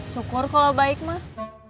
syukur kalau baik mah